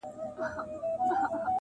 یخه سایه په دوبي ژمي کي لمبه یمه زه,